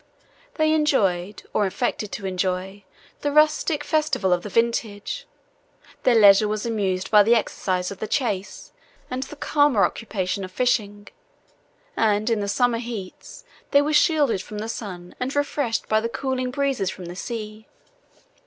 They enjoyed, or affected to enjoy, the rustic festival of the vintage: their leisure was amused by the exercise of the chase and the calmer occupation of fishing, and in the summer heats, they were shaded from the sun, and refreshed by the cooling breezes from the sea.